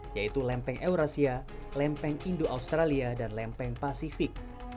yaitu lempeng eurasia lempeng indo australia dan lempeng pasifik